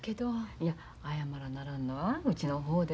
いや謝らならんのはうちの方です。